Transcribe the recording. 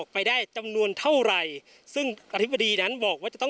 พร้อมด้วยผลตำรวจเอกนรัฐสวิตนันอธิบดีกรมราชทัน